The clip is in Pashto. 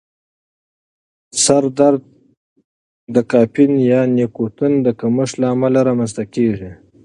سر درد د کافین یا نیکوتین د کمښت له امله رامنځته کېږي.